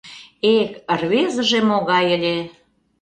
Эх, рвезыже могай ыле!